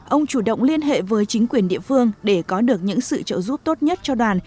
ông chủ động liên hệ với chính quyền địa phương để có được những sự trợ giúp tốt nhất cho đoàn